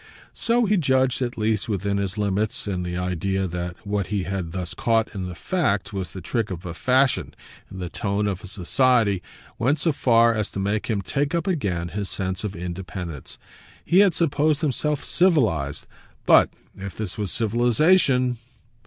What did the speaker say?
So he judged at least, within his limits, and the idea that what he had thus caught in the fact was the trick of fashion and the tone of society went so far as to make him take up again his sense of independence. He had supposed himself civilised; but if this was civilisation